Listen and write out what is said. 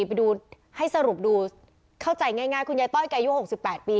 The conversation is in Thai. ไปดูให้สรุปดูเข้าใจง่ายคุณยายต้อยแกอายุ๖๘ปี